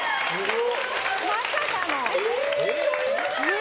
まさかの。